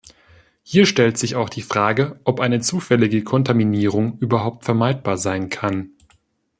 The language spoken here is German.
Hier stellt sich auch die Frage, ob eine zufällige Kontaminierung überhaupt vermeidbar sein kann.